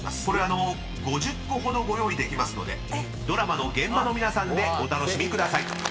これ５０個ほどご用意できますのでドラマの現場の皆さんでお楽しみください］